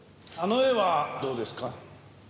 あの絵はどうですか？